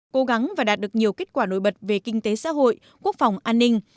cố gắng và đạt được nhiều kết quả nổi bật về kinh tế xã hội quốc phòng an ninh